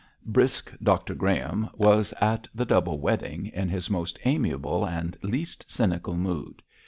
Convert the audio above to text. Brisk Dr Graham was at the double wedding, in his most amiable and least cynical mood.